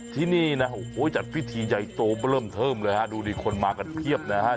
ที่นี่นะโอ้โหจัดพิธีใหญ่โตเริ่มเทิมเลยฮะดูดิคนมากันเพียบนะฮะ